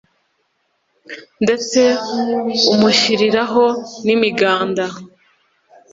ndetse umushyiliraho n' imiganda